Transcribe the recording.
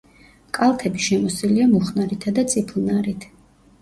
კალთები შემოსილია მუხნარითა და წიფლნარით.